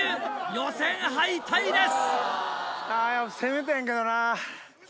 予選敗退です！